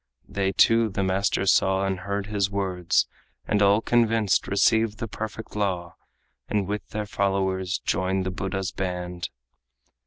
They too the master saw, and heard his words, And all convinced received the perfect law, And with their followers joined the Buddha's band.